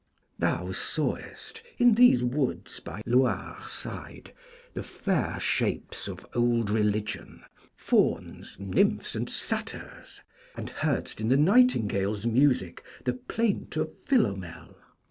Thou sawest, in these woods by Loire side, the fair shapes of old religion, Fauns, Nymphs, and Satyrs, and heard'st in the nightingale's music the plaint of Philomel.